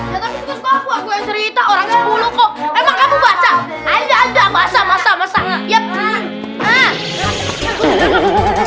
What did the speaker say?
ya tapi kok aku yang cerita orang sepuluh kok